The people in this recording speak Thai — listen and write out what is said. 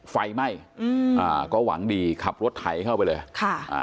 ไฟไหม้อืมอ่าก็หวังดีขับรถไถเข้าไปเลยค่ะอ่า